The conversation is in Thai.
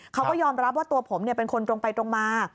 เขาก็ยอมรับว่าตัวผมเป็นคนตรงไปตรงมา